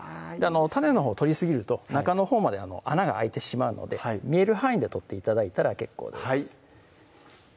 種のほう取りすぎると中のほうまで穴が開いてしまうので見える範囲で取って頂いたら結構です